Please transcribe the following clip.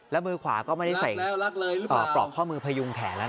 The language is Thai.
แล้วมือขวาก็ไม่ได้ใส่หมวงใจแล้วปลอกข้อมือพยุงแถนแล้วนะ